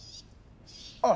あ！